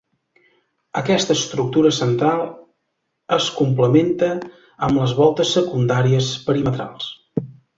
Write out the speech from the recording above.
Aquesta estructura central es complementa amb les voltes secundàries perimetrals.